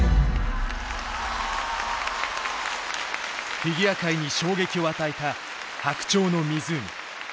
フィギュア界に衝撃を与えた「白鳥の湖」。